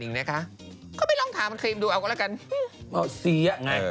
นั่งหนาเป็นกุมเป็นก้อนนะมี